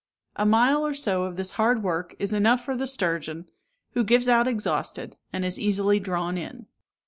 A mile or so of this hard work is enough for the sturgeon, who gives out exhausted, and is easily drawn in.